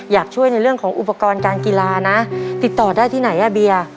อยากช่วยในเรื่องของอุปกรณ์การกีฬานะติดต่อได้ที่ไหนอ่ะเบียร์